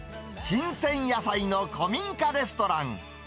新鮮野菜の古民家レストラン。